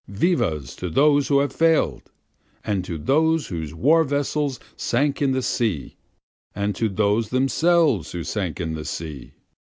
Vivas to those who have failâd! And to those whose war vessels sank in the sea! And to those themselves who sank in the sea!